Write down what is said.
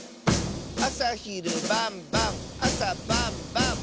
「あさひるばんばんあさばんばん！」